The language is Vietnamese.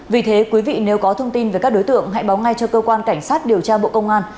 vì thế quý vị nếu có thông tin về các đối tượng hãy báo ngay cho cơ quan cảnh sát điều tra bộ công an